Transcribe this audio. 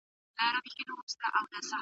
مړه دې وي غلامان.